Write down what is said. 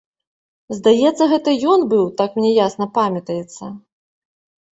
Здаецца, гэта ён быў, так мне ясна памятаецца.